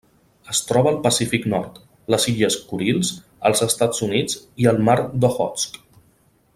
Es troba al Pacífic nord: les Illes Kurils, els Estats Units i el Mar d'Okhotsk.